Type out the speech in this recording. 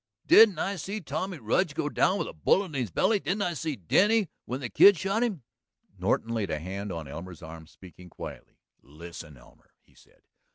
Didn't I see Tommy Rudge go down with a bullet in his belly? Didn't I see Denny when the Kid shot him?" Norton laid a hand on Elmer's arm, speaking quietly. "Listen, Elmer," he said.